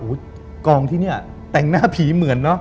โอ้โหกองที่นี่แต่งหน้าผีเหมือนเนอะ